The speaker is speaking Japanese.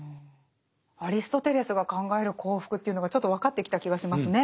アリストテレスが考える幸福というのがちょっと分かってきた気がしますね。